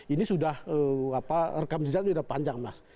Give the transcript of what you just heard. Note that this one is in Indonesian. ini sudah rekam jajaran ini sudah panjang mas